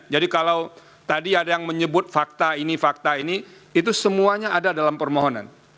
jadi kalau tadi ada yang menyebut fakta ini fakta ini itu semuanya ada dalam permohonan